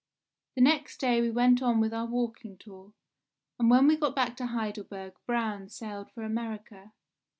"The next day we went on with our walking tour, and when we got back to Heidelberg Braun sailed for America.